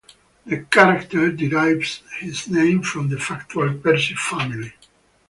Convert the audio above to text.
The character derives his name from the factual Percy family.